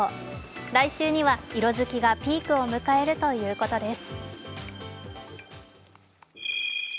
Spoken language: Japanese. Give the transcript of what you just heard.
来週には色づきがピークを迎えるということです。